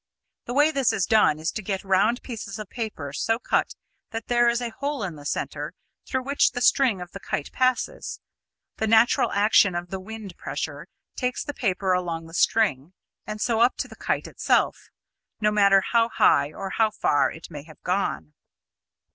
The way this is done is to get round pieces of paper so cut that there is a hole in the centre, through which the string of the kite passes. The natural action of the wind pressure takes the paper along the string, and so up to the kite itself, no matter how high or how far it may have gone.